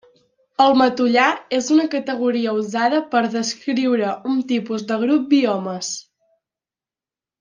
El matollar és una categoria usada per descriure un tipus de grup biomes.